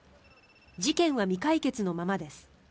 事件は未解決のままです。